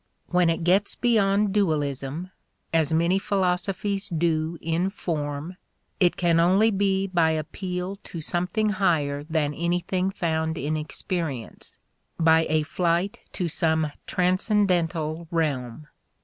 When it gets beyond dualism as many philosophies do in form it can only be by appeal to something higher than anything found in experience, by a flight to some transcendental realm.